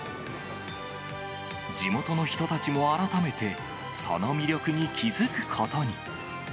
地元の人たちも改めて、その魅力に気付くことに。